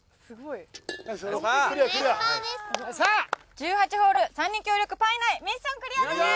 １８ホール３人協力パー以内ミッションクリアです！